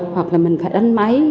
hoặc là mình phải đăng máy